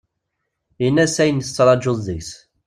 Ini-as ayen tettrajuḍ deg-s.